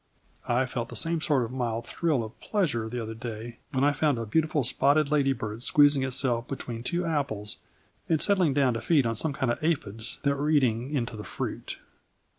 I felt the same sort of mild thrill of pleasure the other day when I found a beautiful spotted ladybird squeezing itself between two apples and settling down to feed on some kind of aphides that were eating into the fruit.